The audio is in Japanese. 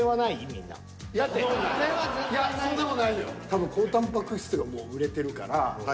多分高たんぱく質がもう売れてるから。